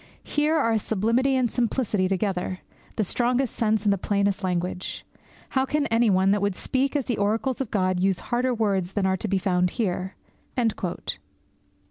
Here are sublimity and simplicity together, the strongest sense and the plainest language! How can any one that would speak as the oracles of God use harder words than are to be found here?'